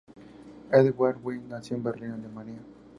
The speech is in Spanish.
Edgard Wind nació en Berlín, Alemania.